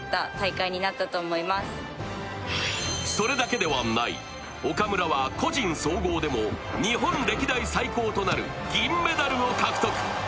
それだけではない、岡村は個人総合でも日本歴代最高となる銀メダルを獲得。